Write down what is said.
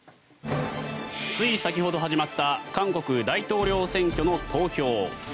つい先ほど始まった韓国大統領選挙の投票。